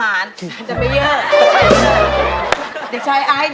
มันจะเยอะ